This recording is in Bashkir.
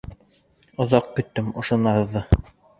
— Оҙаҡ көттөм ошо наҙҙы.